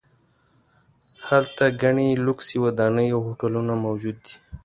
هلته ګڼې لوکسې ودانۍ او هوټلونه موجود دي.